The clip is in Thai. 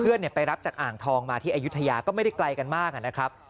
เพื่อนเนี่ยไปรับจากอ่างทองมาที่อายุทยาก็ไม่ได้ไกลกันมากอ่ะนะครับ